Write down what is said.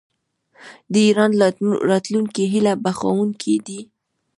د ایران راتلونکی هیله بښونکی دی.